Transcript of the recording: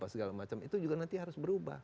segala macam itu juga nanti harus berubah